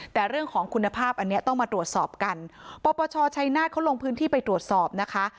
แต่เรื่องของคุณภาพอันนี้ต้องมาตรวจสอบกันปปชชัยนาฏเขาลงพื้นที่ไปตรวจสอบนะคะ